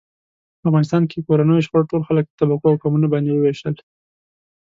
په افغانستان کې کورنیو شخړو ټول خلک په طبقو او قومونو باندې و وېشل.